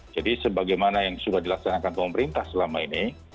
jadi sebagaimana yang sudah dilaksanakan pemerintah selama ini